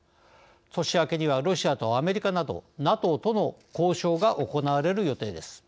年明けにはロシアとアメリカなどＮＡＴＯとの交渉が行われる予定です。